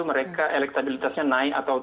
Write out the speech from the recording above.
mereka elektabilitasnya naik atau